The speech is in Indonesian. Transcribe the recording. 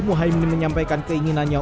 muhaymin menyampaikan keinginannya